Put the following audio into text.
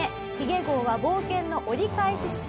髭号は冒険の折り返し地点